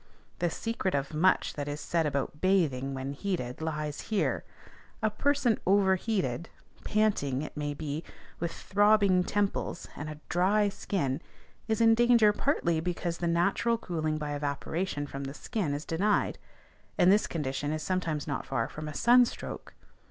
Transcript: The secret of much that is said about bathing when heated lies here. A person overheated, panting it may be, with throbbing temples and a dry skin, is in danger partly because the natural cooling by evaporation from the skin is denied; and this condition is sometimes not far from a "sunstroke."